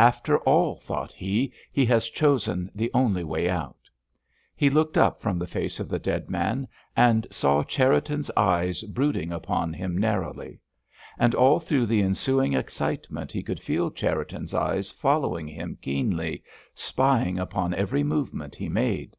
"After all," thought he, "he has chosen the only way out!" He looked up from the face of the dead man, and saw Cherriton's eyes brooding upon him narrowly. And all through the ensuing excitement he could feel Cherriton's eyes following him keenly, spying upon every movement he made.